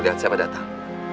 lihat siapa datang